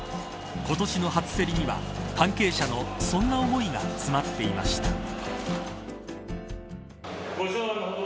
今年の初競りには関係者のそんな思いが詰まっていました。